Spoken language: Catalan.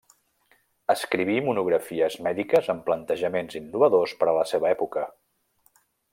Escriví monografies mèdiques amb plantejaments innovadors per a la seva època.